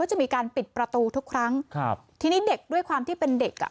จะมีการปิดประตูทุกครั้งครับทีนี้เด็กด้วยความที่เป็นเด็กอ่ะ